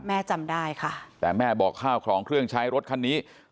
จำได้ค่ะแต่แม่บอกข้าวของเครื่องใช้รถคันนี้